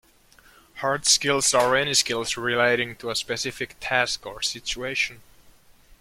Hard skills are any skills relating to a specific task or situation.